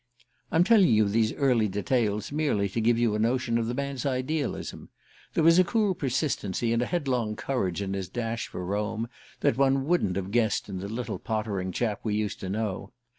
I'm telling you these early details merely to give you a notion of the man's idealism. There was a cool persistency and a headlong courage in his dash for Rome that one wouldn't have guessed in the little pottering chap we used to know.